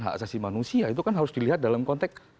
hak asasi manusia itu kan harus dilihat dalam konteks